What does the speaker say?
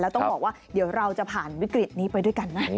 ต้องบอกว่าเดี๋ยวเราจะผ่านวิกฤตนี้ไปด้วยกันนะ